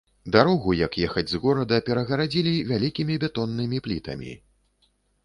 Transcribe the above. Дарогу, як ехаць з горада, перагарадзілі вялікімі бетоннымі плітамі.